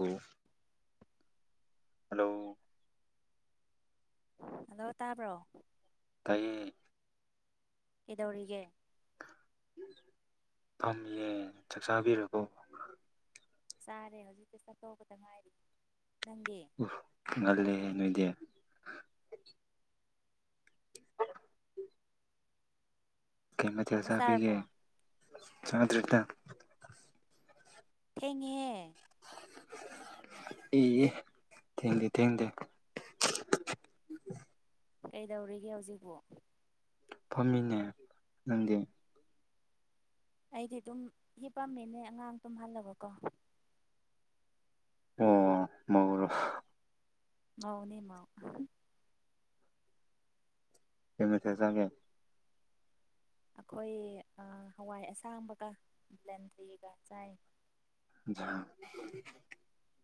ꯍ hello hello ꯇꯥꯕ꯭ꯔꯣ ꯀꯩꯌꯦ ꯀꯧꯔꯤꯒ ꯐꯝꯃꯤꯌꯦ ꯆꯥꯛꯆꯥꯥꯕꯤꯔꯔꯕꯣ ꯆꯥꯔꯦ ꯍꯧꯖꯤꯛꯇ ꯆꯥꯛ ꯇꯣꯛꯄꯗ ꯉꯥꯏꯔꯤ ꯅꯪꯗꯤ ꯎ ꯉꯜꯂꯦꯍꯦ ꯅꯣꯏꯗꯤ ꯀꯔꯤ ꯃꯊꯦꯜ ꯆꯥꯛ ꯆꯥꯔꯕꯣ ꯆꯥꯕꯤꯒꯦ [inaudible] ꯊꯦꯡꯉꯦꯍꯦ ꯑꯦ ꯊꯦꯡꯗꯦ ꯊꯦꯡꯗꯦ [inaudible] ꯀꯩꯗꯧꯔꯤꯒꯦ ꯍꯧꯖꯤꯛꯄꯨ [inaudible] ꯑꯩꯗꯤ ꯑꯗꯨꯨꯝ ꯍꯤꯄꯝꯃꯦꯅꯦ ꯑꯉꯥꯡ ꯇꯨꯝꯍꯜꯂꯕꯀꯣ ꯑꯣ ꯃꯧꯔꯣ ꯃꯧꯅꯦ ꯃꯧ ꯀꯩ ꯃꯊꯦꯜ ꯆꯥꯒꯦ ꯑꯩꯈꯣꯏ ꯑ ꯍꯋꯥꯏ ꯑꯁꯥꯡꯕꯒ ꯕꯟꯗ꯭ꯔꯤꯒ ꯆꯥꯏ [inaudible]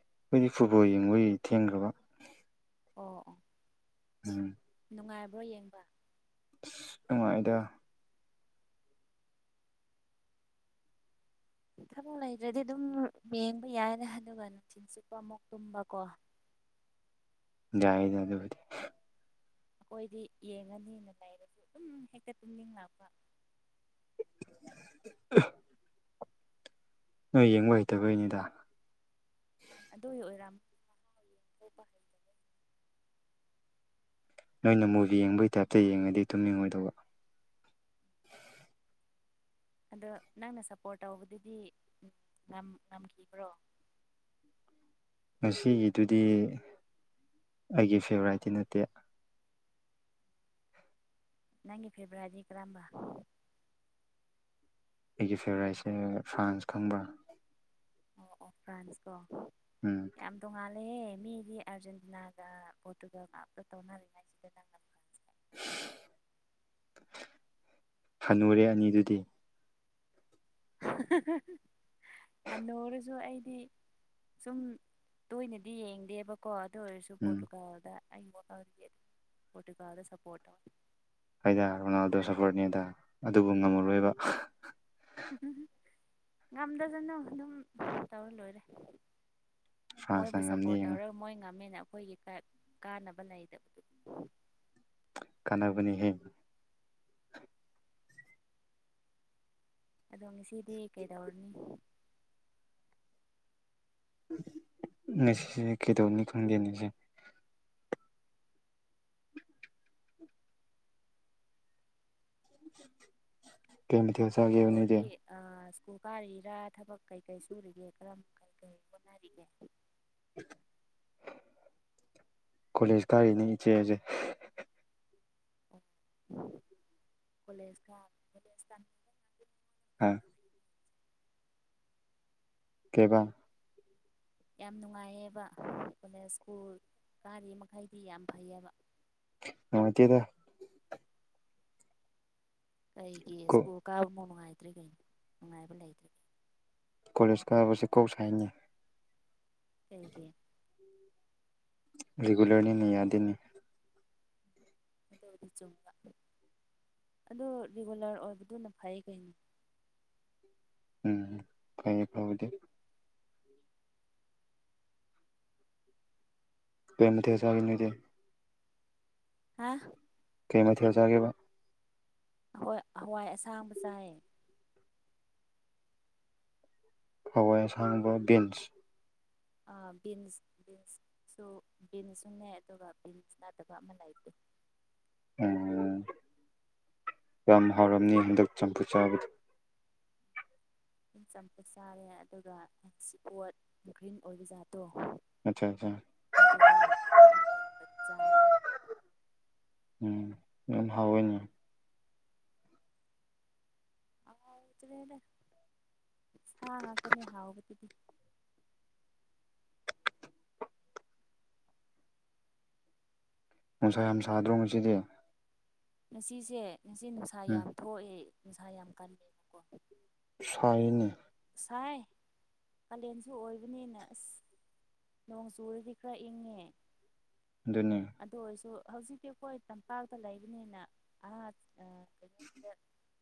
ꯑꯩꯈꯣꯏꯗꯤ ꯐꯨꯠꯕꯣꯜ ꯌꯦꯡꯕꯩ ꯊꯦꯡꯈ꯭ꯔꯕ ꯑꯣ ꯑꯣ ꯎꯝ ꯅꯨꯡꯉꯥꯏꯕ꯭ꯔꯣ ꯌꯦꯡꯕ ꯅꯨꯡꯉꯥꯏꯗꯦ ꯊꯕꯛ ꯂꯩꯗ꯭ꯔꯗꯤ ꯑꯗꯨꯝ ꯌꯦꯡꯕ ꯌꯥꯏꯅꯦ ꯑꯗꯨꯒ ꯅꯨꯡꯊꯤꯟ ꯆꯨꯞꯄ ꯇꯨꯝꯕꯀꯣ ꯌꯥꯏꯗ ꯑꯗꯨꯕꯨꯗꯤ ꯑꯩꯈꯣꯏꯗꯤ ꯌꯦꯡꯉꯅꯤꯅ ꯂꯩꯔꯁꯨ ꯑꯗꯨꯝ ꯍꯦꯛꯇ ꯇꯨꯝꯅꯤꯡ ꯂꯛꯄ [inaudible] ꯅꯣꯏ ꯌꯦꯡꯕ ꯍꯩꯇꯕꯩꯅꯤꯗ ꯑꯗꯨꯒꯤ ꯑꯣꯏꯔꯥ [inaudible] ꯅꯣꯏꯅ ꯃꯨꯚꯤ ꯌꯦꯡꯕꯒꯤ ꯇꯥꯏꯞꯇ ꯌꯦꯡꯉꯗꯤ ꯇꯨꯝꯅꯤꯡꯉꯣꯏꯗꯧꯕ ꯑꯗꯣ ꯅꯪꯅ ꯁꯄꯣꯔꯠ ꯇꯧꯕꯗꯨꯗꯤ ꯉꯝ ꯉꯝꯈꯤꯕ꯭ꯔꯣ ꯎ [inaudible] ꯉꯁꯤꯒꯤꯗꯨꯗꯤ ꯑꯩꯒꯤ ꯐꯦꯚꯔꯥꯏꯠꯇꯤ ꯅꯠꯇꯦ ꯅꯪꯒꯤ ꯐꯦꯚꯔꯥꯏꯠꯇꯤ ꯀꯔꯝꯕ ꯑꯩꯒꯤ ꯐꯦꯚꯔꯥꯏꯠꯁꯦ ꯐ꯭ꯔꯥꯟꯁ ꯈꯪꯕ꯭ꯔꯥ ꯑꯣ ꯑꯣ ꯐ꯭ꯔꯥꯟꯁꯀꯣ ꯎꯝ ꯌꯥꯝ ꯇꯣꯡ ꯉꯥꯂꯦ ꯑꯦ ꯃꯤꯗꯤ ꯑꯔꯖꯦꯟꯇꯤꯅꯥꯒ ꯄꯣꯔꯇꯨꯒꯜ ꯒ ꯉꯥꯛꯇ ꯇꯧꯅꯔꯤ ꯉꯩꯁꯤꯗ ꯅꯪꯅ ꯐ꯭ꯔꯥꯟꯁ ꯍꯅꯨꯔꯦ ꯑꯅꯤꯗꯨꯗꯤ [unintelligible] ꯍꯅꯨꯔꯁꯨ ꯑꯩ ꯁꯤ ꯁꯨꯝ ꯇꯣꯏꯅꯗꯤ ꯌꯦꯡꯗꯦꯕꯀꯣ ꯑꯗꯨ ꯑꯣꯏꯔꯁꯨ ꯎꯝ ꯄꯣꯔꯇꯨꯒꯥꯜꯗ ꯑꯩꯒꯤ ꯋꯥꯈꯜꯗꯗꯤ ꯑꯗꯨꯝ ꯄꯔꯣꯇꯨꯒꯜ ꯗ ꯁꯄꯣꯔꯠ ꯇꯧꯅꯤ ꯍꯣꯏꯗ ꯔꯣꯅꯥꯜꯗꯣ ꯁꯄꯣꯔꯠꯅꯦꯗ ꯑꯗꯨꯕꯨ ꯉꯝꯃꯔꯣꯏꯕ ꯎ ꯉꯝꯗꯖꯅꯨ ꯑꯗꯨꯝ ꯇꯧꯔ ꯂꯣꯏꯔꯦ ꯃꯣꯏꯕꯨ ꯐ꯭ꯔꯥꯟꯁꯅ ꯉꯝꯅꯤ ꯁꯄꯣꯔꯠ ꯌꯦꯡꯉꯣ ꯇꯧꯔ ꯃꯣꯏ ꯉꯝꯃꯦ ꯅ ꯑꯩꯈꯣꯏꯒꯤ ꯀꯥꯟ ꯀꯥꯅꯕ ꯂꯩꯇꯕꯗꯨ ꯀꯅꯥꯕꯅꯤꯍꯦ ꯑꯗꯣ ꯉꯁꯤꯗꯤ ꯀꯩꯗꯧꯔꯅꯤ ꯉꯁꯤ ꯀꯗꯧꯅꯤ ꯈꯪꯗꯦ ꯅꯤꯁꯤꯡ ꯀꯩ ꯃꯊꯦꯜꯁ ꯔꯣꯗꯤ ꯑ ꯁ꯭ꯀꯨꯜ ꯀꯥꯔꯤꯔꯥ ꯊꯕꯛ ꯀꯩ ꯀꯩ ꯁꯨꯔꯤꯒꯦ ꯀꯔꯝ ꯀꯔꯤ ꯀꯔꯤ ꯍꯣꯠꯅꯔꯤꯒꯦ [inaudible] ꯀꯣꯂꯦꯖ ꯀꯥꯔꯤꯅꯤ ꯏꯆꯦꯁꯦ ꯂꯦꯖ ꯍꯥ ꯑꯣ ꯀꯦꯕꯥ ꯌꯥꯝ ꯅꯨꯡꯉꯥꯏꯌꯦꯕ ꯀꯣꯂꯦꯖ ꯁ꯭ꯀꯨꯜ ꯀꯥꯔꯤ ꯃꯈꯩꯗꯤ ꯌꯥꯝ ꯐꯩꯑꯕ ꯑꯠꯇꯦꯗ ꯀꯩꯒꯤ ꯁ꯭ꯀꯨꯜ ꯀꯥꯕꯃꯥꯎ ꯅꯨꯡꯉꯥꯏꯇ꯭ꯔꯤ ꯀꯩꯅꯣ ꯅꯨꯡꯉꯥꯏꯕ ꯂꯩꯇ꯭ꯒꯦ ꯀꯣꯂꯦꯖ ꯀꯥꯕꯁꯦ ꯀꯣꯛ ꯁ ꯍꯥꯏꯅꯤ ꯊꯦꯡꯒꯤ ꯔꯤꯒꯨꯂꯔꯅꯤꯅꯤ ꯌꯥꯗꯦꯅꯤ ꯑꯗ ꯍꯧꯗꯤ ꯆꯨꯝꯕ ꯑꯗꯨ ꯔꯤꯒꯨꯂꯔ ꯑꯣꯏꯕꯗꯨꯅ ꯐꯩ ꯀꯩꯅꯣ ꯎꯝ ꯐꯌꯦꯦ ꯐꯗꯤ ꯄ꯭ꯔꯃꯗꯤ ꯍꯁꯒꯤ ꯂꯩꯗ ꯍꯥ ꯀꯩ ꯃꯊ ꯍꯧ ꯆꯒꯦꯕ ꯍꯣꯏ ꯍꯋꯥꯏ ꯑꯁꯥꯡꯕ ꯆꯥꯏꯌꯦ ꯍꯋꯥꯏ ꯑꯁꯥꯡꯕ ꯕꯤꯟꯁ ꯕꯤꯟꯁ ꯕꯤꯟꯁ ꯁ ꯕꯤꯟꯁꯁꯨꯅꯦ ꯑꯗꯨꯒ ꯕꯤꯟꯁ ꯅꯠꯇꯕ ꯑꯃ ꯂꯩꯇꯦ [inaudible] ꯎ ꯌꯥꯝ ꯍꯥꯎꯔꯝꯅꯤ ꯍꯟꯗꯛ ꯆꯝꯐꯨ ꯆꯥꯕꯗꯣ ꯏꯝ ꯆꯝꯄ ꯆꯥꯔꯦ ꯑꯗꯨꯒ ꯑꯣꯠ ꯒ꯭ꯔꯤꯟ ꯑꯣꯏꯕ ꯌꯥꯥꯗ꯭ꯔꯦ ꯇꯣ ꯑꯠꯆꯥ ꯑꯠꯆꯥ ꯑꯗꯨꯗꯨꯅ ꯂꯄꯗ ꯆꯞ ꯎꯝ ꯌꯦꯝꯍꯥꯎꯅꯤꯥ ꯑ ꯑꯗꯨꯗ ꯁꯥꯡꯉꯒꯅꯤ ꯍꯥꯎꯕꯗꯨꯗꯤ ꯅꯨꯡꯁꯥ ꯌꯥꯝ ꯁꯥꯗ꯭ꯔꯣ ꯉꯁꯤꯗꯤ ꯉꯁꯤꯁꯦ ꯉꯁꯤ ꯅꯨꯡꯁꯥ ꯎꯝ ꯌꯥꯝ ꯊꯣꯛꯑꯦ ꯅꯨꯡꯁꯥ ꯌꯥꯝ ꯀꯜꯂꯦꯕꯀꯣ ꯁꯥꯏꯅꯤ ꯍꯥꯏꯥꯏ ꯀꯥꯂꯦꯟꯁꯨ ꯑꯣꯏꯕꯅꯤꯅ ꯑꯁ ꯅꯣꯡ ꯆꯨꯨꯔꯗꯤ ꯈꯔ ꯏꯪꯉꯦ ꯑꯗꯨꯅꯦ ꯑꯗꯨ ꯑꯣꯏꯔꯁꯨ ꯍꯧꯖꯤꯛꯇꯤ ꯑꯩꯈꯣꯏ ꯇꯝꯄꯥꯛꯇ ꯂꯩꯕꯅꯤꯅ ꯑ ꯀꯩꯅꯣ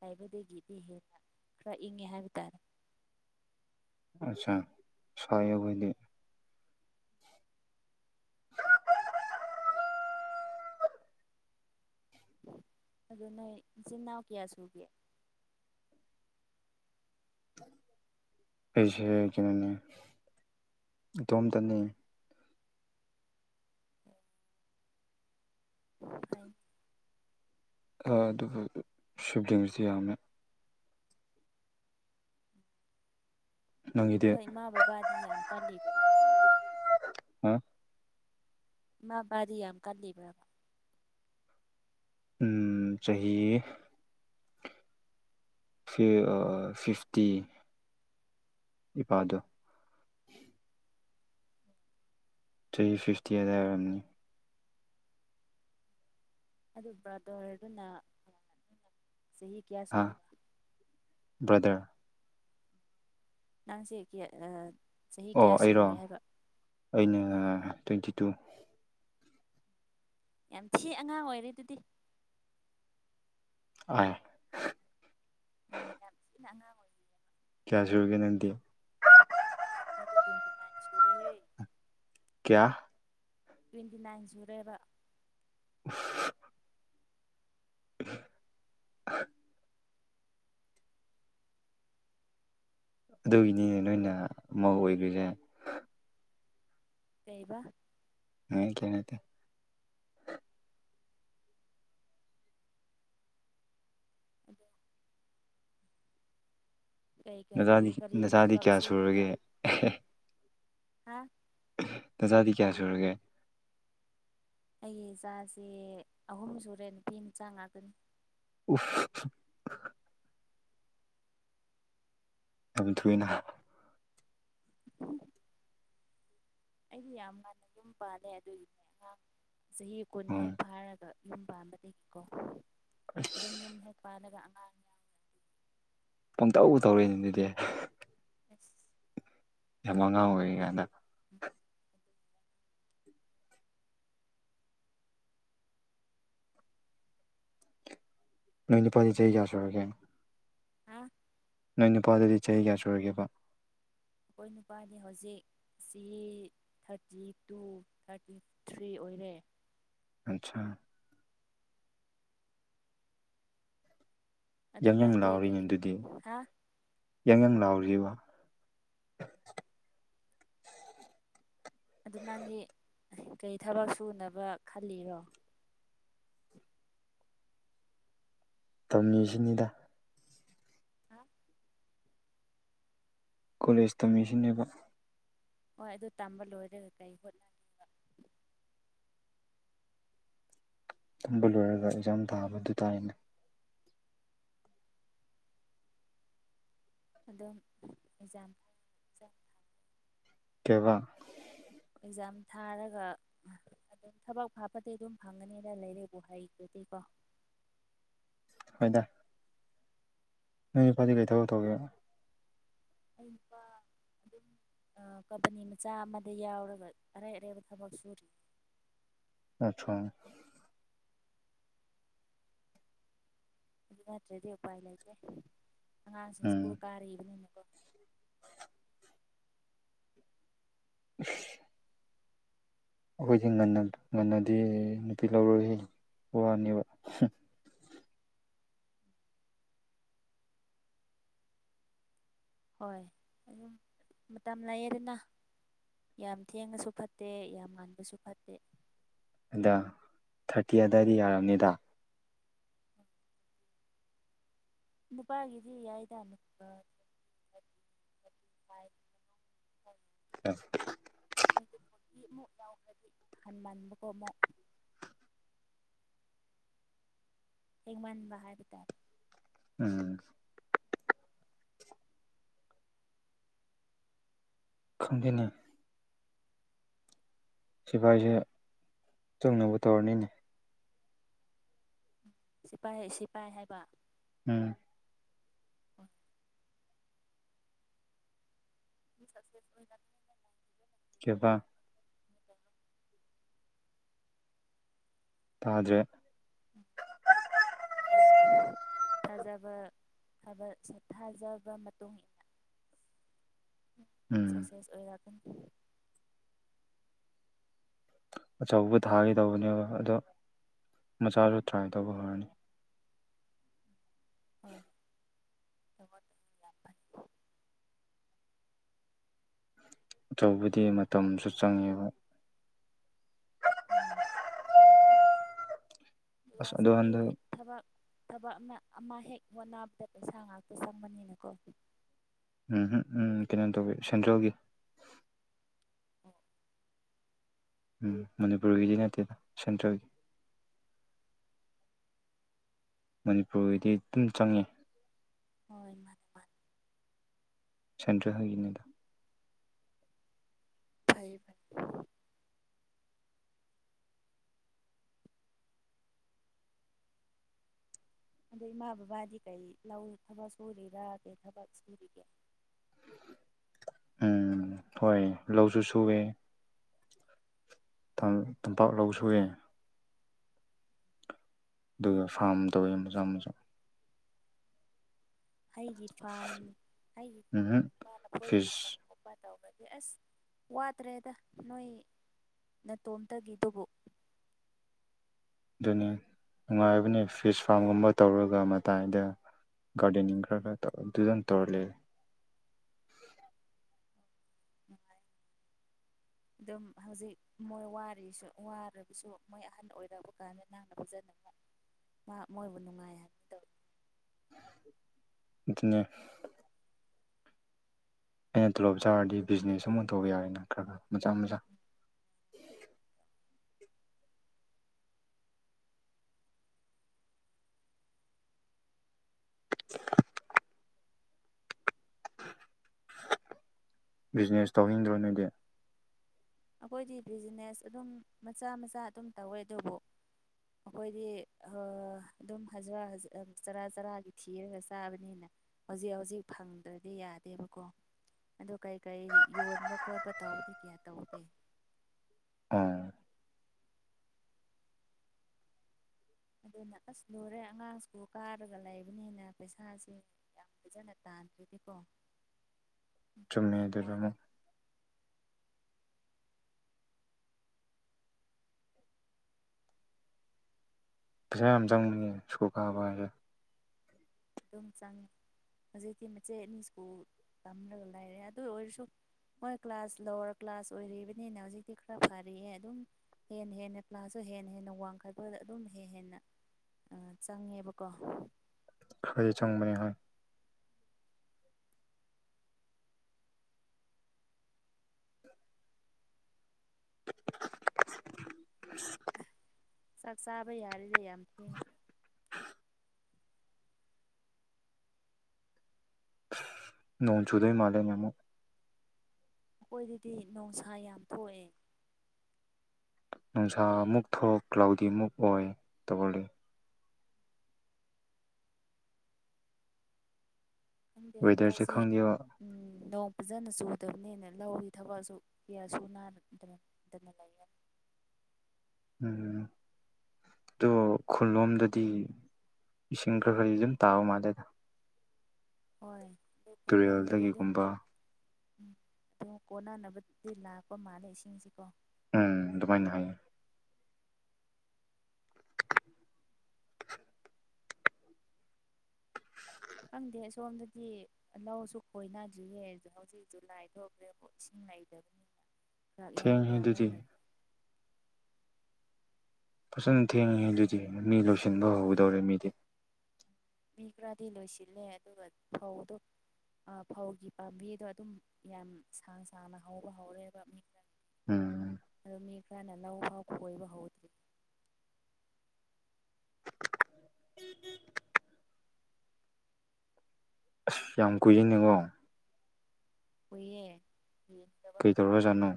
ꯍꯥꯏꯕꯗꯒꯤꯗꯤ ꯍꯦꯟꯅ ꯈꯔ ꯏꯪꯉꯦ ꯍꯥꯏꯕ ꯇꯥꯔꯦ ꯑꯆꯥ ꯁꯏ ꯑꯕꯣꯏꯗꯤ ꯑꯗꯨ ꯅꯣꯏ ꯏꯆꯤꯟ ꯏꯅꯥꯎ ꯀꯌꯥ ꯁꯨꯒꯦ ꯑꯩꯁꯦ ꯀꯩꯅꯣꯅꯦ ꯏꯇꯣꯝꯇꯅꯤ ꯐꯩ ꯑꯗꯨꯕꯨ ꯁꯕꯗꯤꯡꯕꯁꯤ ꯌꯥꯝꯃꯦ ꯅꯪꯒꯤꯗꯤ ꯅ ꯃꯥꯕꯥꯗꯤ ꯌꯥꯝ ꯀꯥꯂꯤꯕ ꯑ ꯃꯥ ꯗꯤ ꯌꯥꯝ ꯌꯥꯝ ꯀꯜꯂꯤꯕꯕꯥ ꯎꯝ ꯆꯍꯤ ꯑ ꯐꯤꯐꯇꯤ ꯏꯄꯥꯗꯣ ꯊ꯭ꯔꯤ ꯐꯤꯐꯇꯤ ꯑꯗꯨꯗꯔꯕꯝꯅꯤ ꯑꯗꯨ ꯕ꯭ꯔꯗꯔ ꯑꯗꯨꯅ ꯁꯍꯤ ꯀꯌꯥ ꯍꯥ ꯁꯨꯔꯕꯥ ꯕ꯭ꯔꯗꯔ ꯅꯪ ꯁꯤꯦ ꯀꯦ ꯑ ꯑꯣ ꯑꯩꯔꯣ ꯑꯩꯅ ꯇ꯭ꯋꯦꯟꯇꯤ ꯇꯨ ꯌꯥꯝ ꯊꯤ ꯑꯉꯥꯡ ꯑꯣꯏꯔꯦ ꯑꯗꯨꯗꯤ ꯑ ꯎꯝ ꯌꯥꯝꯁꯤꯅ ꯑꯉꯥꯡ ꯑꯣꯏ ꯀꯌꯥꯁꯒꯤꯅꯤꯗꯤ ꯑꯩꯒꯤ ꯇ ꯉꯏ ꯆꯨꯔꯦ ꯀꯌꯥ ꯇ꯭ꯋꯦꯟꯇꯤ ꯅꯥꯟ ꯖꯨꯔꯦꯔ [unintelligible] [unintelligible] ꯑꯗꯨꯒꯤꯅꯤꯅꯦ ꯅꯣꯏꯅ ꯑꯃꯧꯛ ꯑꯣꯏꯈ꯭ꯔꯤꯁꯦ ꯂꯩꯩꯕ ꯍ ꯀꯇ ꯑꯗꯨꯗ ꯀꯔꯤ ꯀꯔꯤ ꯅꯆꯥꯗꯤ ꯀꯔꯤ ꯅꯆꯥꯗꯤ ꯊꯕꯛ ꯀꯌꯥ ꯁꯨꯅꯕ ꯁꯨꯔꯒꯦ ꯍꯥ ꯇꯖꯥꯗꯤ ꯀꯌꯥ ꯁꯨꯔꯒꯦ ꯑꯩꯒꯤ ꯏꯆꯥꯁꯦ ꯑꯍꯨꯝ ꯁꯨꯔꯦ ꯅꯨꯄꯤ ꯃꯆꯥ ꯉꯥꯛꯇꯅꯤ ꯎꯐ ꯑꯗꯨꯝꯊꯨꯅ [unintelligible] ꯑꯩꯗꯤ ꯌꯥꯝ ꯉꯥꯟꯟꯅ ꯌꯨꯝ ꯄꯥꯜꯂꯦ ꯑꯗꯨꯒꯤꯅꯦ ꯑꯉꯥꯡ ꯆꯍꯤ ꯀꯨꯟ ꯍꯦꯛ ꯎꯝ ꯐꯥꯔꯒ ꯌꯨꯝ ꯄꯥꯟꯕꯝꯕꯗꯒꯤꯀꯣ ꯑꯗꯨꯝ ꯑꯁ ꯌꯨꯝ ꯍꯦꯛ ꯄꯥꯜꯂꯒ ꯑꯉꯥꯡ ꯌꯥꯎꯔꯦ ꯄꯪꯇ ꯊꯧꯔꯛꯏꯅꯤ ꯑꯗꯨꯗꯤ ꯑꯦꯐ ꯌꯥꯝ ꯃꯉꯥꯡ ꯑꯣꯏ ꯀꯗ ꯅꯣꯏ ꯅꯤꯄꯥꯗꯤ ꯆꯍꯤ ꯌꯥꯌꯥ ꯁꯨꯔꯒꯦ ꯍꯥꯥ ꯅꯣꯏ ꯅꯨꯄꯥꯗꯗꯤ ꯆꯍꯤ ꯀꯌꯥ ꯁꯨꯔꯒꯦꯕ ꯑꯩꯈꯣꯏ ꯅꯨꯄꯥꯅꯤ ꯍꯧꯖꯤꯛ ꯁꯤ ꯊꯥꯔꯇꯤ ꯇꯨ ꯊꯥꯔꯇꯤ ꯊ꯭ꯔꯤ ꯑꯣꯏꯔꯦ ꯑꯆꯥ ꯑꯗꯨ ꯌꯥꯡ ꯑꯗꯨ ꯌꯥꯡ ꯅꯗꯤ ꯀꯩ ꯍꯥ ꯌꯥꯪ ꯌꯥꯪ ꯂꯥꯎꯔꯤꯔꯤꯕ ꯑꯗꯨ ꯅꯪꯒꯤ ꯀꯩ ꯊꯕꯛ ꯁꯨꯅꯕ ꯈꯜꯂꯤꯔꯣ ꯇꯝꯃꯤꯁꯤꯅꯤꯗ ꯍꯥ ꯀꯣꯂꯦꯖ ꯇꯝꯃꯤꯁꯤꯅꯦꯕ ꯍꯣꯏ ꯑꯗꯨ ꯇꯝꯕ ꯂꯣꯏꯔꯦꯒ ꯀꯩ ꯍꯣꯠꯅꯒꯦꯕ ꯇꯝꯕ ꯂꯣꯏꯔꯒ ꯑꯦꯛꯖꯥꯝ ꯊꯥꯕ ꯑꯗꯨ ꯇꯥꯏꯅꯦ ꯑꯗ ꯆꯐ ꯆꯐ ꯀꯦꯕꯥ ꯑꯦꯛꯖꯥꯝ ꯊꯥꯔꯒ ꯑꯗꯨꯝ ꯊꯕꯛ ꯍꯥꯞꯄꯗꯤ ꯑꯗꯨꯝ ꯐꯪꯒꯅꯤꯅ ꯂꯩꯔꯦꯕꯨ ꯍꯩꯗꯨꯗꯤꯀꯣ ꯍꯣꯏꯗ ꯅꯣꯏ ꯐꯗꯤ ꯀꯩꯊꯧ ꯇꯧꯒꯦ ꯎꯝꯕ ꯑꯗꯨꯝ ꯀꯝꯄꯅꯤ ꯃꯆꯥ ꯑꯃꯗ ꯌꯥꯎꯔꯒ ꯑꯔꯩ ꯑꯔꯩꯕ ꯊꯕꯛ ꯁꯨꯔꯤ ꯑꯆꯥꯥ ꯑꯗꯨ ꯅꯠꯇ꯭ꯔꯗꯤ ꯎꯄꯥꯏ ꯂꯩꯇꯦ ꯑꯉꯥꯡꯁꯤꯡ ꯁ꯭ꯀꯨꯜ ꯎꯝ ꯀꯥꯔꯛꯏꯕꯅꯤꯅ [inaudible] [unintelligible] [inaudible] [unintelligible] ꯑꯩꯈꯣꯏꯒꯤ ꯉꯟꯅ ꯉꯟꯅꯗꯤ ꯅꯨꯄꯤ ꯂꯧꯔꯣꯏ ꯋꯥꯅꯦꯕ ꯍꯣꯏ ꯑꯗꯨꯝ ꯃꯇꯝ ꯂꯥꯏꯌꯦꯗꯅ ꯌꯥꯝ ꯊꯦꯡꯉꯁꯨ ꯐꯠꯇꯦ ꯌꯥꯝ ꯉꯥꯟꯕꯁꯨ ꯐꯠꯇꯦ ꯑꯗ ꯊꯥꯔꯇꯤ ꯑꯗꯨꯗꯥꯋꯥꯏꯗꯤ ꯌꯥꯔꯕꯔꯕꯅꯤꯗ ꯅꯨꯄꯥꯒꯤꯁꯤ ꯌꯥꯏꯗ ꯑꯃꯨꯛꯄ ꯑ ꯃꯤꯃ ꯌꯥꯎꯈꯕꯤ ꯍꯟ ꯃꯥꯟ ꯃ ꯀꯃ ꯑꯦ ꯃꯥ ꯍꯔꯒꯇꯥꯔ ꯎꯝ ꯈꯪꯗꯦꯅ ꯁꯤꯐꯥꯏꯁꯦ ꯆꯪꯅꯕ ꯇꯧꯔꯅꯤꯅꯦ ꯁꯤꯐꯥꯏ ꯁꯤꯐꯥꯏ ꯍꯥꯏꯕ ꯎꯝ ꯑꯣ ꯛꯁꯦꯁ ꯀꯦꯕꯥ ꯇꯥꯖꯦ ꯊꯥꯖꯕ ꯊꯥꯖꯕ ꯃꯇꯨꯡ [inaudible] [unintelligible] ꯎꯝ ꯁꯛꯁꯦꯁ ꯑꯣꯏꯔ ꯑꯆꯧꯕ ꯊꯥꯈꯤꯗꯧꯕꯅꯦꯕ ꯑꯗꯣ ꯃꯆꯥꯁꯨ ꯇ꯭ꯔꯥꯏ ꯇꯧꯕꯈꯔꯅꯤ ꯍꯣꯏ ꯇꯃ ꯇ ꯌꯥ ꯑꯆꯧꯕꯗꯤ ꯃꯇꯝꯁꯨ ꯆꯪꯉꯦꯕ ꯑ ꯃꯥ ꯑꯗꯨꯒ ꯑꯁ ꯑꯗꯣ ꯍꯧꯖꯤꯛꯀꯤ ꯍꯟꯗꯛ ꯊꯕꯥꯛ ꯊꯕꯥꯛꯅ ꯑꯃ ꯍꯦꯛ ꯋꯥꯅꯥꯕꯗ ꯄꯩꯁꯥ ꯉꯥꯛꯇ ꯆꯪꯕꯅꯤꯅꯀꯣ ꯎꯝꯝ ꯎꯝ ꯀꯩꯅꯣ ꯇꯧꯋꯤ ꯁꯦꯟꯇ꯭ꯔꯦꯜꯒꯤ ꯎꯝ ꯎꯝ ꯃꯅꯤꯄꯨꯔꯒꯤꯗꯤ ꯅꯠꯇꯦꯗ ꯁꯦꯟꯇ꯭ꯔꯦꯜꯒꯤ ꯃꯅꯤꯄꯨꯔꯒꯤꯗꯤ ꯑꯗꯨꯝ ꯆꯪꯉꯤ ꯍꯣꯏ ꯃꯥꯅꯦ ꯃꯥ ꯁꯟꯗ꯭ꯔ ꯍꯅꯗ ꯐꯩ ꯐ ꯑꯗꯣ ꯏꯃꯥ ꯕꯕꯥꯗꯤ ꯀꯩ ꯂꯧ ꯊꯕꯛ ꯁꯨꯔꯤꯔꯥ ꯀꯩ ꯊꯕꯛ ꯁꯨꯔꯤꯒꯦ ꯎꯝ ꯍꯣꯏ ꯂꯧꯁꯨ ꯁꯨꯋꯦ ꯇꯝꯄꯥꯛ ꯂꯧ ꯁꯏꯦ ꯑꯗꯨꯒ ꯐꯥꯔꯝ ꯇꯧꯋꯤ ꯃꯆꯥ ꯃꯆꯥ ꯑꯩꯒꯤ ꯐꯥꯝ ꯑꯩꯒꯤ ꯎꯝꯍꯨꯝ ꯐꯥꯝꯒꯨꯝꯕ ꯅꯈꯣꯏꯒꯤ ꯐꯤꯁ ꯐꯥꯝꯒꯨꯝꯕ ꯇꯧꯒꯅꯤ ꯑꯁ ꯋꯥꯠꯇ꯭ꯔꯦꯗ ꯅꯣꯏ ꯅꯇꯣꯝꯇꯒꯤꯗꯨꯕꯨ ꯑꯗꯨꯅꯤ ꯅꯨꯡꯉꯥꯏꯕꯅꯤ ꯐꯤꯁ ꯐꯥꯔꯝꯒꯨꯝꯕ ꯇꯧꯔꯒ ꯃꯇꯥꯏꯗ ꯒꯥꯔꯗꯦꯅꯤꯡꯡ ꯔꯒ ꯗꯨꯖꯟ ꯇꯧꯔ ꯂꯩ ꯑꯗꯨꯝ ꯍꯧꯖꯤꯛ ꯃꯣꯏꯁꯨ ꯋꯥꯒꯁꯨ ꯃꯣꯏ ꯑꯍꯟ ꯑꯣꯏꯛꯑ ꯀꯥꯟꯗ ꯉꯅꯥꯅ ꯐꯖꯅꯕ [inaudible] ꯃꯥ ꯃꯣꯏꯕꯨꯅꯨꯡꯉꯥꯏ ꯃꯤꯗ ꯑꯗꯨꯗꯒꯤꯅꯦ ꯑꯩꯅ ꯇꯣꯂꯣꯞ ꯆꯥꯔꯗꯤ ꯕꯤꯖꯤꯅꯦꯁ ꯑꯃ ꯇꯧꯕ ꯌꯥꯔꯦꯅ ꯈꯔ ꯈꯔ ꯃꯆꯥ ꯃꯆꯥ ꯑꯦ [inaudible] ꯕꯤꯖꯤꯅꯦꯁ ꯇꯧꯅꯤꯡꯗ꯭ꯔꯣ ꯅꯣꯏꯗꯤ ꯑꯩꯈꯣꯏꯗꯤ ꯕꯤꯖꯤꯅꯦꯁ ꯑꯗꯨꯝ ꯃꯆꯥ ꯃꯆꯥ ꯑꯗꯨꯝ ꯇꯧꯋꯦ ꯑꯗꯨꯕꯨ ꯑꯩꯈꯣꯏꯗꯤ ꯑꯗꯨꯝꯖ ꯆꯔꯥ ꯆꯔꯥꯒꯤ ꯊꯤꯔꯒ ꯆꯥꯕꯅꯤꯅ ꯍꯧꯖꯤꯛ ꯍꯧꯖꯤꯛ ꯐꯪꯗ꯭ꯔꯗꯤ ꯌꯥꯗꯦꯕꯀꯣ ꯑꯗꯨ ꯀꯔꯤ ꯀꯔꯤ ꯌꯣꯟꯕ ꯈꯣꯠꯄ ꯇꯧꯕꯗꯤ ꯀꯌꯥ ꯇꯧꯗꯦ ꯑꯣ ꯑꯗꯨꯅ ꯑꯁ ꯂꯨꯔꯦ ꯑꯉꯥꯡꯁꯤꯕꯨ ꯀꯥꯔꯒ ꯂꯩꯕꯅꯤꯅ ꯄꯩꯁꯥꯥꯁꯦ ꯗꯅꯠꯇꯥꯟꯗꯤꯀꯣ ꯆꯨꯝꯃꯦꯗꯨꯔꯃꯨ ꯄꯩꯁꯥ ꯌꯥꯝ ꯆꯪꯉꯨꯉꯅꯤ ꯁ꯭ꯀꯨ ꯀꯥꯕ ꯍꯥꯏ ꯑꯗꯨꯝ ꯆꯪꯉ ꯍꯧꯖꯤꯛꯇꯤ ꯃꯆꯦꯠ ꯑꯅꯤ ꯁ꯭ꯀꯨꯜ ꯇꯝꯂꯒ ꯂꯩꯥꯏꯔꯦ ꯑꯗꯨ ꯑꯣꯏꯔꯁꯨ ꯃꯣꯏ ꯀ꯭ꯂꯥꯁ ꯂꯋꯥꯔ ꯀ꯭ꯂꯥꯁ ꯑꯣꯏꯔꯤꯕꯅꯤꯅ ꯍꯧꯖꯤꯛꯇꯤ ꯈꯔ ꯐꯔꯑꯦ ꯑꯗꯨꯝ ꯍꯦꯟꯅ ꯍꯦꯟꯅ ꯄ꯭ꯂꯥꯁꯁꯨ ꯍꯦ ꯍꯦꯟꯅ ꯋꯥꯡꯈꯄꯕꯗ ꯑꯗꯨꯝ ꯍꯦ ꯍꯦꯟꯅ ꯆꯪꯉꯦꯕꯀꯣ ꯈꯩ ꯆꯪꯕꯅꯤ ꯍꯥꯏ [inaudible] ꯁꯛꯁꯥꯕ ꯌꯥꯔꯗ ꯌꯥ [inaudible] ꯅꯣꯡꯖꯨꯗꯣꯏ ꯃꯥꯂꯦ ꯌꯥꯝꯝꯣ ꯑꯩꯈꯣꯏꯗꯗꯤ ꯅꯨꯡꯁꯥ ꯌꯥꯝ ꯊꯣꯛꯑꯦ ꯅꯨꯡꯁꯥ ꯑꯃꯨꯛ ꯊꯣꯛ ꯀ꯭ꯂꯥꯎꯗꯤ ꯑꯃꯨꯛ ꯑꯣꯏ ꯇꯧꯜꯂꯤ ꯈꯪꯗꯦ ꯋꯦꯗꯔꯁꯦ ꯍꯇꯥꯁꯦ ꯈꯪꯗꯦꯕ ꯗꯣ ꯐꯖꯅ ꯆꯨꯗꯕꯅꯤꯅ ꯂꯧꯒꯤ ꯊꯕꯛꯁꯨ ꯀꯌꯥ ꯁꯨꯅꯥꯗꯅꯗꯅ ꯂꯩꯌꯦ ꯎꯝ ꯑꯣ ꯈꯨꯜꯂꯣꯝꯗꯗꯤ ꯏꯁꯤꯡ ꯈꯔ ꯈꯔꯗꯤ ꯑꯗꯨꯝ ꯇꯥꯕ ꯃꯥꯜꯂꯦꯗ ꯍꯣꯏ ꯑꯗꯨ ꯈꯨꯜꯂꯣꯝꯗꯗꯤ ꯑꯗꯨꯝ ꯇꯨꯔꯦꯜꯗꯒꯤꯒꯨꯝꯕ ꯎꯝ ꯑꯗꯨ ꯀꯣꯟꯅꯅꯕꯗꯤ ꯂꯥꯛꯄ ꯃꯥꯜꯂꯦ ꯏꯁꯤꯡꯁꯤꯀꯣ ꯎꯝ ꯑꯗꯨꯃꯥꯏꯅ ꯍꯥꯏꯌꯦ ꯈꯪꯗꯦ ꯁꯣꯝꯗꯗꯤ ꯂꯧꯁꯨ ꯈꯣꯏꯅꯗ꯭ꯔꯤꯌꯦꯦ ꯑ ꯍꯧꯖꯤꯛꯁꯨ ꯂꯥꯏꯗꯕ꯭ꯔꯦꯕ ꯏꯁꯤꯡ ꯉꯗꯕ [inaudible] ꯄꯨꯞ ꯌꯥꯝ ꯆꯥꯔꯦ ꯑꯗꯨꯗꯤ ꯂꯩ ꯐꯖꯅ ꯊꯦꯡꯉꯤꯦ ꯑꯗꯨꯗꯤ ꯃꯤ ꯂꯣꯏꯁꯤꯟꯕ ꯍꯧꯗꯧꯔꯦ ꯃꯤꯗꯤ ꯃꯤ ꯈꯔꯗꯤ ꯂꯣꯏꯁꯤꯜꯂꯦ ꯑꯗꯨꯒ ꯐꯧꯗ ꯐꯧꯒꯤ ꯄꯥꯝꯕꯤꯗꯣ ꯑꯗꯨꯝ ꯌꯥꯝ ꯁꯥꯡ ꯁꯥꯡꯅ ꯍꯧꯕ ꯍꯧꯔꯦꯕ ꯃꯤ ꯈ ꯎꯝ ꯑꯗꯨ ꯃꯤ ꯈꯔꯅ ꯂꯧ ꯐꯥꯎ ꯈꯣꯏꯕ ꯍꯧꯗ꯭ꯔꯤ ꯑꯁ ꯌꯥꯝ ꯀꯨꯏꯖꯩꯅꯤꯀꯣ ꯑꯣꯏꯦ ꯌꯦ ꯇꯕ ꯀꯩ ꯇꯧꯔꯖꯥꯠꯅꯣ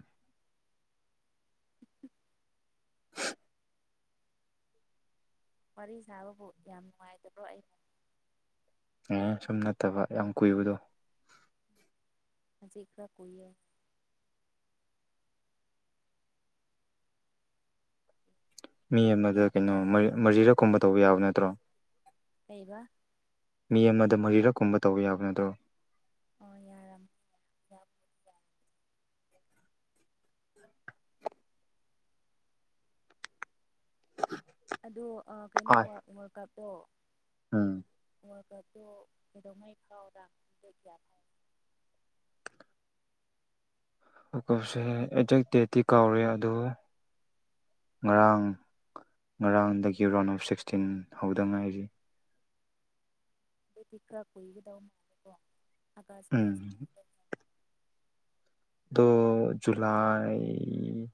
ꯋꯥꯔꯤ ꯁꯥꯕꯕꯨ ꯌꯥꯝ ꯅꯨꯡꯉꯥꯏꯇ꯭ꯔꯣ ꯑꯩꯅ ꯑꯦ ꯁꯨꯝ ꯅꯠꯇꯕ ꯌꯥꯝ ꯀꯨꯏꯕꯗꯣ ꯆꯦꯜꯀ ꯀꯨꯔ ꯃꯤ ꯑꯃꯗ ꯌꯥꯝ ꯀꯩꯅꯣ ꯌꯥꯝ ꯃꯖꯤꯔꯛꯀꯨꯝꯕ ꯇꯧꯕ ꯌꯥꯕ ꯅꯠꯇ꯭ꯔꯣ ꯂꯩꯩꯕ ꯃꯤ ꯑꯃꯗ ꯃꯔꯤꯔꯛ ꯀꯨꯝꯕ ꯇꯧꯕ ꯌꯥꯕ ꯅꯗ꯭ꯔꯣ ꯑꯣ ꯌꯥꯔꯝ ꯑꯗꯣ ꯀꯩꯅꯣ ꯍꯣꯏ ꯋꯥꯔꯜꯀꯞ ꯎꯝ ꯗ ꯀꯗꯉꯩ ꯈꯥꯎꯗꯥꯗ ꯍꯥꯏ ꯎꯀꯞꯁꯦ ꯑꯩꯖꯦꯛ ꯗꯦꯠꯇꯤ ꯀꯥꯎꯔꯦ ꯑꯗꯨꯗ ꯉꯔꯥꯡ ꯉꯔꯥꯡꯗꯒꯤ ꯔꯥꯎꯟ ꯑꯣꯐ ꯁꯤꯛꯁꯇꯤꯟ ꯍꯧꯗ ꯉꯥꯏꯔꯤ ꯑꯗꯨꯗꯤ ꯈꯔ ꯀꯨꯏꯒꯗ ꯃꯥꯂꯦꯀꯣ ꯑ ꯎꯝ ꯗ ꯖꯂꯥꯏ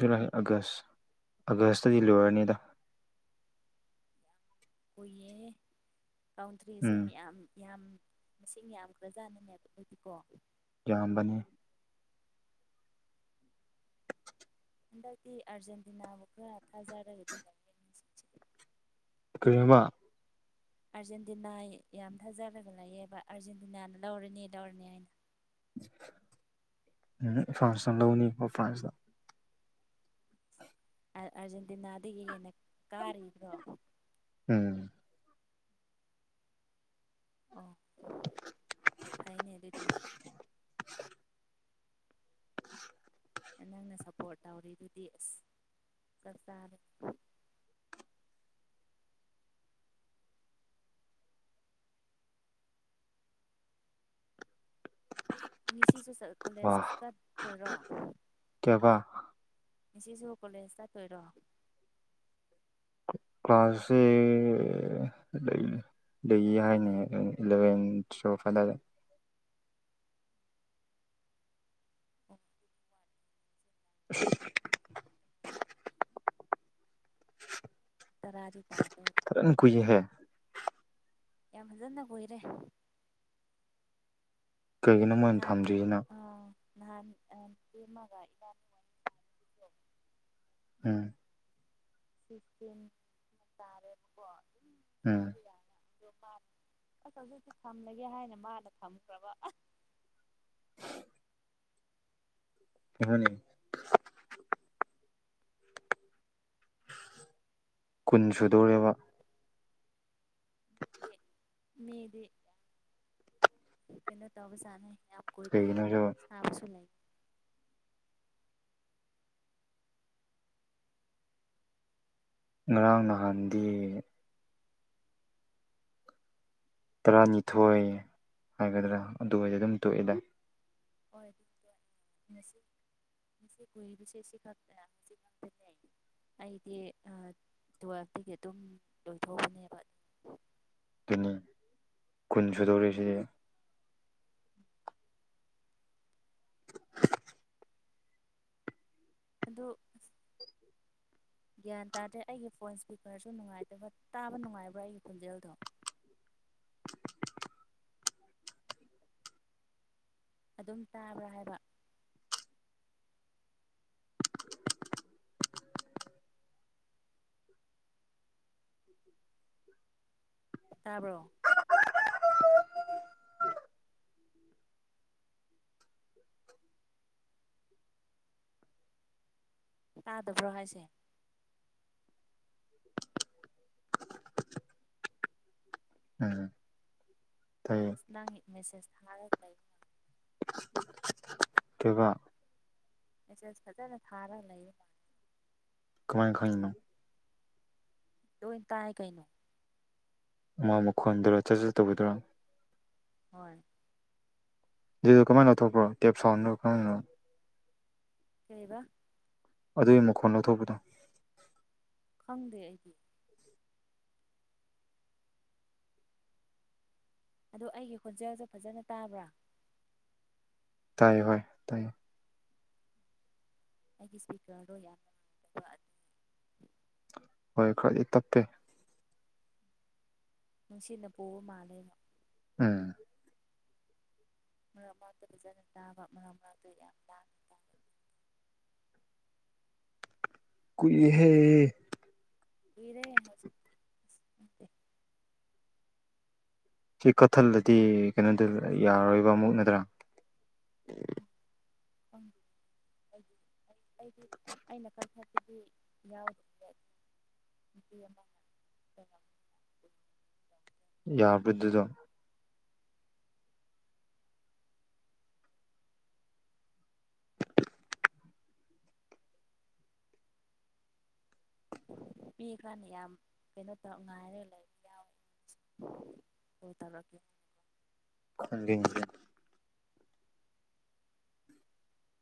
ꯖꯨꯂꯥꯏ ꯑꯥꯒꯁ ꯑꯥꯒꯁꯇꯗꯤ ꯂꯣꯏꯔꯅꯤꯗ ꯀꯏꯌꯦ ꯕꯥꯎꯟꯗ꯭ꯔꯤꯁꯦ ꯎꯝ ꯃꯌꯥꯝ ꯌꯥꯝ ꯃꯁꯤꯡ ꯌꯥꯝꯈ꯭ꯔꯖꯥꯅꯅꯦꯕ ꯑꯗꯨꯗꯤꯀꯣ ꯌꯥꯝꯕꯅꯦ ꯍꯟꯗꯛꯇꯤ ꯑꯥꯔꯖꯦꯟꯇꯤꯅꯥꯕꯨ ꯈꯔ ꯊꯥꯖꯥꯔꯒꯗꯤ ꯀꯃ ꯑꯥꯔꯖꯦꯟꯇꯤꯅꯥ ꯌꯥꯝ ꯊꯥꯖꯔꯒ ꯂꯩꯑꯕ ꯑꯥꯔꯖꯦꯟꯇꯤꯅꯥꯅ ꯂꯧꯔꯅꯤ ꯂꯧꯔꯅꯤ ꯍꯥꯏꯅ ꯎ ꯐ꯭ꯔꯥꯟꯁꯅ ꯂꯧꯅꯤꯕ ꯐ꯭ꯔꯥꯟꯁꯇ ꯑꯥꯔꯖꯦꯟꯇꯤꯅꯥꯗꯒꯤ ꯍꯦꯟꯅ ꯀꯥꯔꯤꯕ꯭ꯔꯣ ꯎꯝ ꯑꯣ ꯐꯥꯏꯅꯦ ꯔꯦꯗꯤ ꯅꯪꯅ ꯁꯞꯄꯣꯔꯠ ꯇꯧꯔꯤ ꯑꯗꯨꯗꯤ ꯑꯁ ꯆꯔꯀꯥꯔ [unintelligible] ꯑꯅꯤꯁꯤꯁꯨ ꯀꯣꯂꯦꯖ ꯋꯥ ꯆꯠꯇꯔꯣ ꯀꯌꯥꯕ ꯏꯁꯤꯁꯨ ꯀꯣꯂꯦꯖꯇ ꯀꯔꯣ ꯀ꯭ꯂꯥꯁꯦ ꯂꯩꯅꯤ ꯑꯗꯨꯒꯤ ꯍꯥꯏꯅꯦ ꯏꯂꯚꯦꯟ ꯐꯗꯔ ꯎꯝ [unintelligible] ꯇꯔꯥꯗꯤ ꯇꯥꯕ ꯆ ꯀꯨꯏ ꯍꯥꯏꯦ ꯌꯥꯝ ꯐꯖꯅ ꯀꯏꯔꯦ ꯀꯩꯒꯤꯅꯣ ꯃꯣꯏꯅ ꯊꯝꯗ꯭ꯔꯤꯁꯤꯅ ꯑꯥ ꯅꯍꯥꯟ ꯇꯃꯒ ꯏ ꯎꯝ ꯁꯤꯁꯇ ꯆꯇꯥ ꯎꯝ ꯑꯁ ꯍꯧꯁꯨ ꯊꯝꯂꯒꯦ ꯍꯥꯏꯅ ꯃꯥꯅ ꯊꯝꯈ꯭ꯔꯕ ꯑꯁ ꯍꯅꯤ ꯀꯨꯟ ꯁꯨꯗꯣꯦꯕ ꯗꯤꯅ ꯇꯣꯕꯁꯥꯅ ꯌꯥꯝ ꯀꯣꯏ ꯀꯣꯏ ꯀꯩꯒꯤꯅꯣꯁꯨ ꯁꯥꯁꯨ ꯂꯩꯥꯏ ꯉꯔꯥꯡ ꯅꯍꯥꯟꯗꯤ ꯇꯔꯥꯅꯤꯊꯣꯏ ꯍꯥꯏꯒꯗ꯭ꯔꯥ ꯑꯗꯨ ꯑꯣꯏꯏꯗꯤ ꯑꯗꯨꯝ ꯇꯣꯛꯑꯦꯗ ꯑꯣꯏ ꯃꯁꯤꯟ ꯉꯁꯤ ꯀꯨꯢꯔꯤꯕꯁꯤ ꯁꯤꯈꯛꯇꯅꯦ ꯑꯩꯗꯤ ꯇꯨꯋꯜꯐꯇꯒꯤ ꯑꯗꯨꯝ ꯂꯣꯏꯊꯣꯑꯕꯅꯦꯕ ꯀꯨꯅꯤ ꯀꯨꯟ ꯁꯨꯗꯧꯔꯤꯁꯤꯗꯤ ꯑꯗꯨ ꯒ꯭ꯌꯥꯟ ꯇꯥꯗꯦ ꯑꯩꯒꯤ ꯐꯣꯟ ꯏꯁꯄꯤꯀꯔꯁꯨ ꯅꯨꯡꯉꯥꯏꯇꯕ ꯇꯥꯕ ꯅꯨꯡꯉꯥꯏꯕ꯭ꯔꯥ ꯑꯩꯒꯤ ꯈꯣꯟꯖꯦꯜꯗꯣ [inaudible] ꯑꯗꯨꯝ ꯇꯥꯕ꯭ꯔꯥ ꯍꯥꯏꯕ ꯇꯥꯕ꯭ꯔꯣ ꯇꯥꯗꯕ꯭ꯔꯣ ꯍꯥꯏꯁꯦ ꯎꯝ ꯇꯥꯏꯑꯦ ꯃꯦꯁꯦꯖ ꯊꯔ ꯂꯩꯏ ꯑꯗꯨꯀ [unintelligible] ꯃꯦꯁꯦꯖ ꯐꯖꯅ ꯊꯥꯔꯒ ꯂꯩꯌꯦ ꯃꯥ ꯀꯃꯥꯏ ꯈꯪꯏꯅꯣ ꯂꯣꯢ ꯇꯥꯏ ꯀꯩꯅꯣ ꯑꯃ ꯃꯈꯣꯟꯗꯨꯔꯥ ꯆꯠ ꯆ ꯇꯧꯒꯗꯨꯔꯥ ꯍꯣꯏ ꯑꯗꯨꯗ ꯀꯃꯥꯏꯅ ꯂꯧꯊꯣꯛꯄ꯭ꯔꯣ ꯀꯦꯞ ꯁꯥꯎꯟꯅꯣ ꯈꯔꯅꯣ ꯀꯩꯕ ꯑꯗꯨꯒꯤ ꯃꯈꯣꯟ ꯂꯧꯊꯣꯛꯄꯗꯣ ꯈꯪꯗꯦ ꯑꯩꯗꯤ ꯑꯗꯨ ꯑꯩꯒꯤ ꯈꯣꯟꯖꯦꯜꯁ ꯐꯖꯅ ꯇꯥꯕ꯭ꯔꯥ ꯇꯥꯏꯌꯦ ꯍꯣꯏ ꯇꯥꯏꯌꯦ ꯑꯩꯒꯤ ꯏꯁꯄꯤꯀꯔꯗꯣ ꯌꯥꯝꯅ ꯅꯨꯡꯉꯥꯏꯇꯕ ꯑꯗꯨꯅꯤ ꯍꯣꯏ ꯈꯔꯗꯤ ꯇꯞꯄꯦ ꯅꯨꯡꯁꯤꯅ ꯄꯨꯕ ꯃꯥꯥꯟꯅꯦ ꯑꯝ ꯃꯥꯔꯛ ꯃꯥꯔꯛꯇ ꯐꯖꯟꯅ ꯇꯥꯕ ꯃꯥꯔꯛ ꯃꯥꯔꯛꯇ ꯌꯥꯝ ꯂꯥꯡꯅ ꯇꯥꯕ [inaudible] ꯀꯨꯏꯍꯦ ꯍꯔꯦ ꯃꯦ [unintelligible] ꯁꯤ ꯀꯠꯊꯜꯂꯗꯤ ꯀꯩꯅꯣꯗ ꯌꯥꯔꯔꯣꯏꯕ ꯑꯃꯨꯛ ꯅꯠꯇ꯭ꯔꯥ ꯎꯝ ꯑꯩꯗꯤ ꯑꯩꯅ ꯀꯜꯊꯠꯇꯗꯤ ꯌꯥꯎꯗ꯭ꯔꯦ [inaudible] ꯌꯥꯕꯗꯨꯗꯣ ꯄꯤ ꯀꯥꯟꯅꯤ ꯌꯥꯝ ꯀꯩꯅꯣ ꯇꯧ ꯉꯥꯏꯔꯦ ꯂꯥꯏꯔꯤꯛ ꯌꯥꯎꯋꯦ ꯍ ꯇꯅꯀꯤ [unintelligible] ꯈꯪꯒꯦꯡꯒ [unintelligible]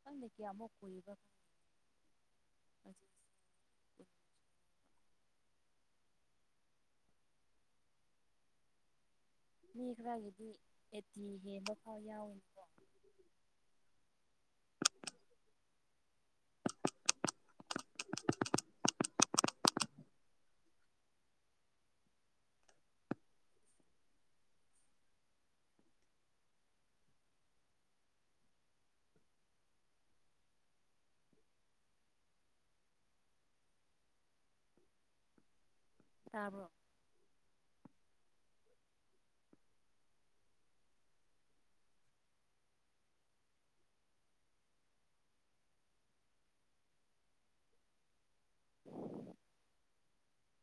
ꯈꯪꯗꯦ ꯀꯌꯥꯃꯨꯛ ꯀꯨꯏꯔꯤꯕ ꯃꯤ ꯈꯔꯒꯤꯗꯤ ꯑꯦꯠꯇꯤ ꯍꯦꯟꯕ ꯐꯥꯎ ꯌꯥꯎꯏꯀꯣ ꯇꯥꯕꯔꯣ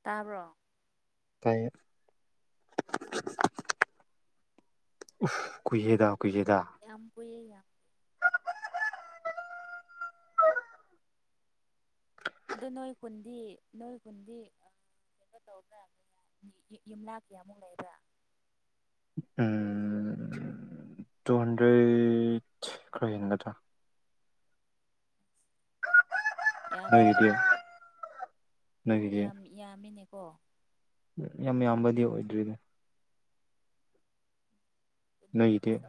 ꯇꯥꯕꯔꯣ ꯇꯥꯏꯌꯦ ꯀꯨꯏꯗ ꯌꯥꯝꯕꯨꯏ ꯌꯥ ꯑꯗꯣ ꯅꯣꯏ ꯈꯨꯟꯤꯖꯤ ꯅꯣꯏ ꯈꯨꯟꯗꯤ ꯑ ꯀꯩꯅꯇ ꯇꯧꯗ꯭ꯔꯥ ꯌꯨꯝꯅꯥꯛ ꯀꯌꯥꯃꯨꯛ ꯂꯩꯕ꯭ꯔꯥ ꯎꯝ ꯇꯨ ꯍꯟꯗ꯭ꯔꯦꯠ ꯈꯔ ꯍꯦꯟꯒꯗ꯭ꯔꯥ ꯌꯥꯝ ꯅꯣꯏꯒꯤꯗꯤ ꯅꯣꯏꯒꯤꯗꯤ ꯌꯥꯝ ꯌꯥꯝꯃꯤꯅꯦꯀꯣ ꯌꯥꯝ ꯌꯥꯝꯕꯗꯤ ꯑꯣꯏꯗ꯭ꯣꯏꯅꯦ ꯂꯩꯗꯤꯦ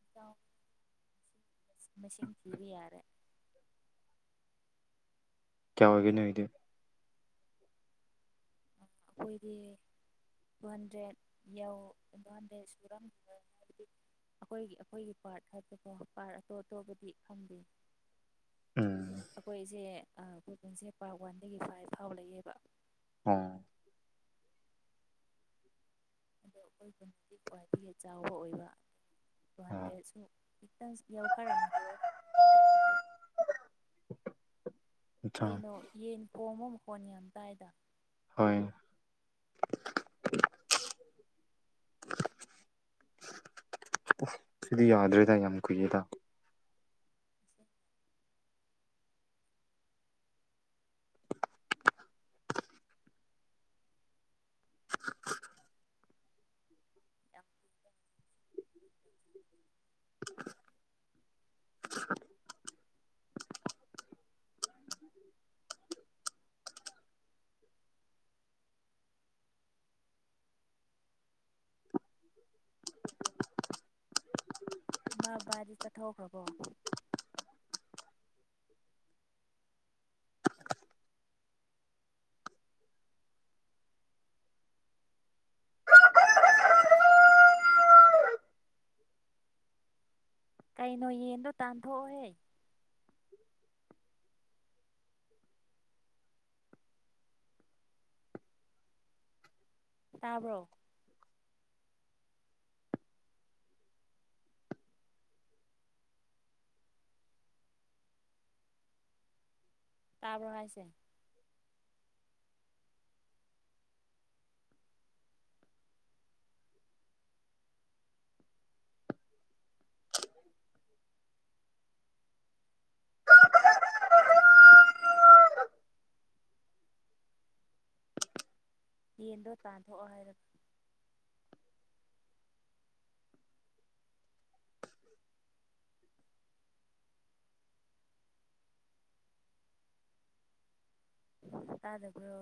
ꯑ ꯆꯥꯎ ꯃꯦꯁꯤꯟ ꯆꯤꯔꯤ ꯌꯥꯔꯦ ꯀꯌꯥ ꯑꯣꯏꯒꯦꯅꯦ ꯏꯗꯤ ꯑꯩꯈꯣꯏꯗꯤ ꯕꯣꯟꯗ꯭ꯔꯦ ꯌꯧ ꯕꯣꯟꯗꯦ ꯁꯨꯔꯝ ꯑꯩꯈꯣꯏꯒꯤ ꯑꯩꯈꯣꯏꯒꯤ ꯄꯥꯔꯠ ꯍꯥꯏꯇꯥꯀꯣ ꯄꯥꯔꯠ ꯑꯇꯣꯞ ꯑꯇꯣꯞꯄꯗꯤ ꯈꯪꯗꯦ ꯎꯝ ꯑꯩꯈꯣꯏꯁꯦ ꯑꯩꯈꯣꯏꯟꯁꯦ ꯄꯥꯔꯠ ꯋꯥꯟꯗꯒꯤ ꯐꯥꯏꯚ ꯐꯥꯎ ꯂꯩꯌꯦꯕ ꯍ ꯑꯗꯣ ꯑꯩꯈꯣꯏ ꯄꯨꯀꯤ ꯈ꯭ꯋꯥꯏꯗꯒꯤ ꯆꯥꯎꯕ ꯑꯣꯏꯕ ꯇꯨ ꯑꯣ ꯍꯟꯗ꯭ꯔꯦꯠꯁꯨ ꯛꯇꯪ ꯌꯥꯧꯈꯔꯝꯈꯤꯔꯣꯏ ꯑꯠꯆꯥ ꯀꯩꯅꯣ ꯌꯦꯟ ꯊꯣꯡꯕ ꯃꯈꯣꯟ ꯌꯥꯝ ꯇꯥꯏꯗ ꯍꯣꯏ ꯑꯁ ꯁꯤꯗꯤ ꯌꯥꯗ꯭ꯔꯦꯗ ꯌꯥꯝ ꯀꯨꯏꯌꯦꯗ ꯌꯥꯝ ꯕꯤꯕꯥꯗꯤ ꯆꯠꯊꯣꯛꯈ꯭ꯔꯕꯣ ꯀꯩꯅꯣ ꯌꯦꯟꯗꯣ ꯇꯥꯟꯊꯣꯛꯑꯣꯍꯦ ꯇꯥꯕ꯭ꯔꯣ ꯇꯥꯕ꯭ꯔꯣ ꯍꯥꯏꯁꯦ ꯌꯦꯟꯗꯣ ꯇꯥꯟꯊꯣꯛꯑꯣ ꯍꯥꯏꯔꯒ ꯇꯥꯗꯕ꯭ꯔꯣ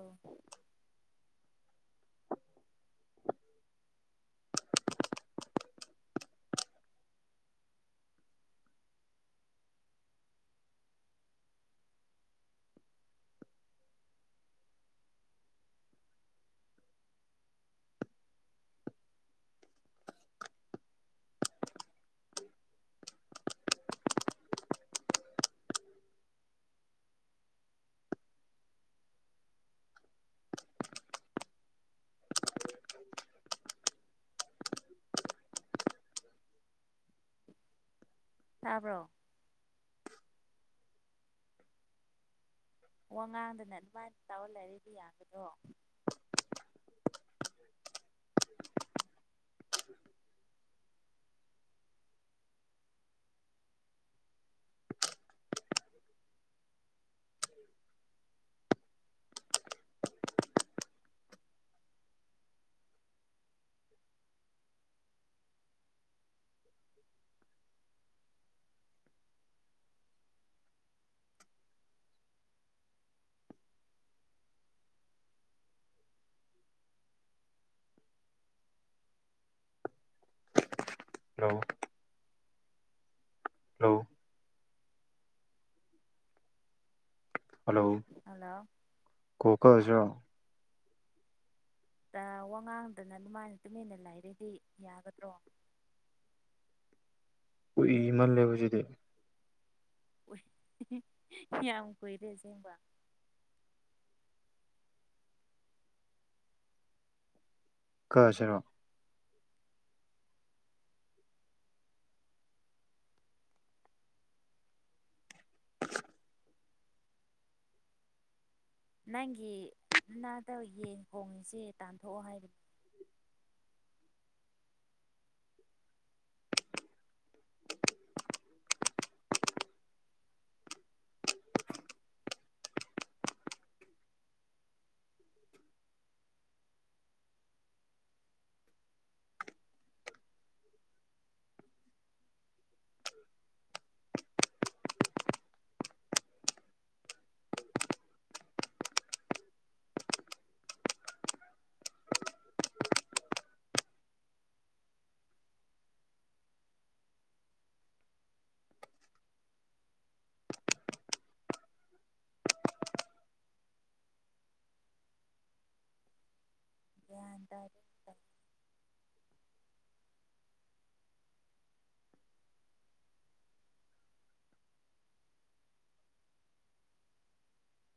ꯇꯥꯕ꯭ꯔꯣ ꯋꯥꯉꯥꯡꯗꯅ ꯑꯗꯨꯃꯥꯏꯅ ꯇꯥꯔ ꯂꯩꯔꯗꯤ ꯌꯥꯒꯗ꯭ꯔꯣ [inaudible] hello hello hello hello call ꯀꯛꯑꯁꯤꯔꯣ ꯋꯥꯉꯥꯡꯗꯅ ꯑꯗꯨꯃꯥꯏꯅ ꯇꯨꯃꯤꯟꯅ ꯂꯩꯥꯔꯗꯤ ꯌꯥꯒꯗ꯭ꯔꯣ ꯀꯨꯢꯃꯜꯂꯦꯕ ꯁꯤꯗꯤ ꯌꯥꯝ ꯀꯨꯏꯔꯦ ꯁꯦꯡꯕ ꯀꯥꯛ ꯑꯁꯤꯔꯣ ꯅꯪꯒꯤ ꯅꯅꯥꯛꯗ ꯌꯦꯟ ꯈꯣꯡꯉꯤꯁꯦ ꯇꯥꯟꯊꯣꯛꯑꯣ ꯍꯥꯏꯕꯅꯤ ꯒ꯭ꯌꯥꯟ ꯇꯥꯟꯗꯦꯗ [unintelligible]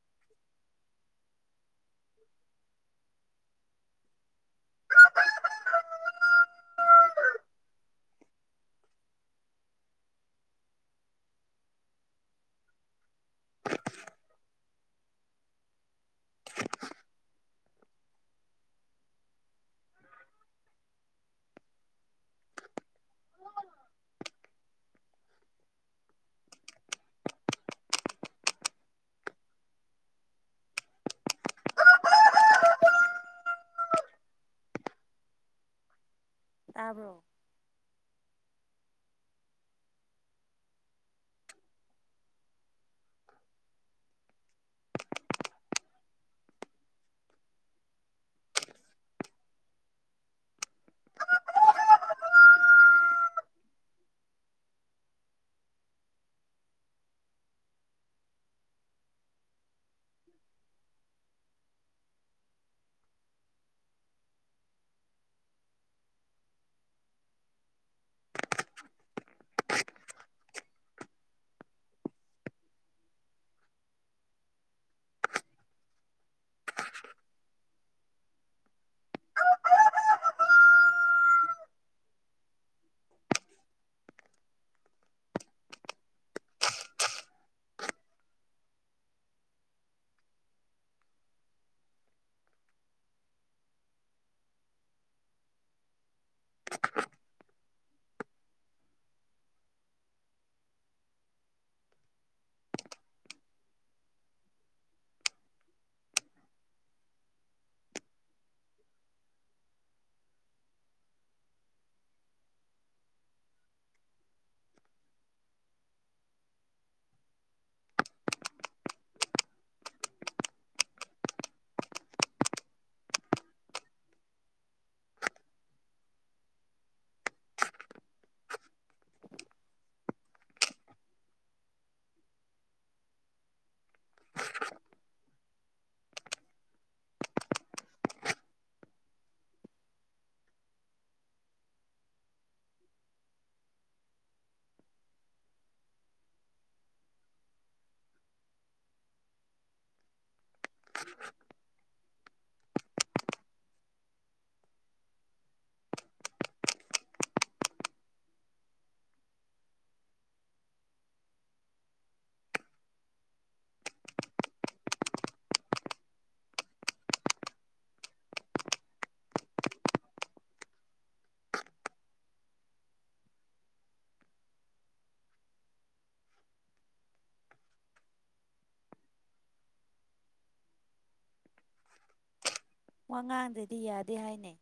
[inaudible] ꯇꯥꯕ꯭ꯔꯣ [inaudible] ꯋꯥꯉꯥꯡꯗꯗꯤ ꯌꯥꯗꯦ ꯍꯥꯏꯅꯦ